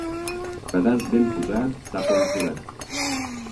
Pedaç ben posat tapa un forat.